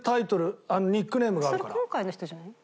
それ今回の人じゃない？